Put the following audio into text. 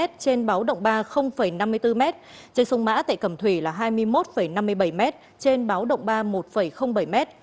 trên báo động ba năm mươi bốn m trên sông mã tại cẩm thủy là hai mươi một năm mươi bảy m trên báo động ba một bảy m